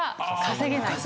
稼げない。